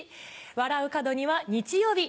笑う門には日曜日。